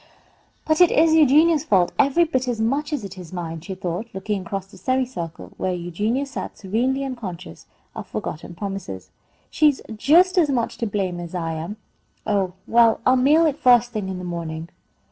"But it is Eugenia's fault every bit as much as it is mine," she thought, looking across the semicircle, where Eugenia sat serenely unconscious of forgotten promises. "She's just as much to blame as I am. Oh, well, I'll mail it first thing in the morning."